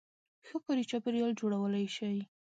-ښه کاري چاپېریال جوړولای شئ